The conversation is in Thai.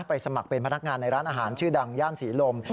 สมัครเป็นพนักงานในร้านอาหารชื่อดังย่านศรีลม